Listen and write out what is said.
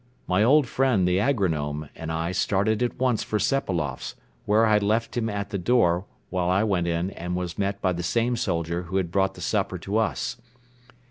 My old friend, the agronome, and I started at once for Sepailoff's, where I left him at the door while I went in and was met by the same soldier who had brought the supper to us.